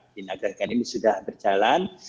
di nagra sekarang ini sudah berjalan